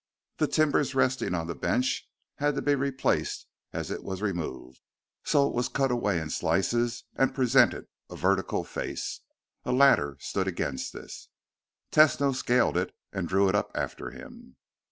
The timbers resting on the bench had to be replaced as it was removed; so it was cut away in slices and presented a vertical face. A ladder stood against this. Tesno scaled it and drew it up after him.